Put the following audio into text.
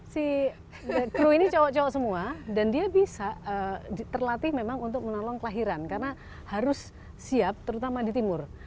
si kru ini cowok cowok semua dan dia bisa terlatih memang untuk menolong kelahiran karena harus siap terutama di timur